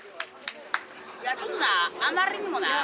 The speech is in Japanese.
いやちょっとなあまりにもな。